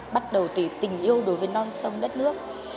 bắt đầu từ tình yêu đối với non sông đất nước